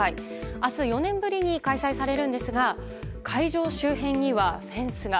明日、４年ぶりに開催されるんですが会場周辺にはフェンスが。